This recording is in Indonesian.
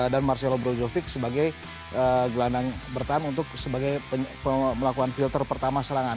dan marcelo brozovic sebagai gelandang bertahan untuk sebagai pemelakuan filter pertama serangan